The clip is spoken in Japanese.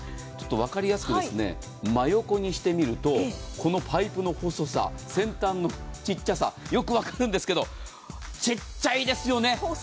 分かりやすく真横にしてみるとこのパイプの細さ先端の小ささよく分かるんですがちっちゃいですよね。